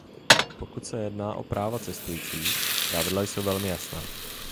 Pokud se jedná o práva cestujících, pravidla jsou velmi jasná.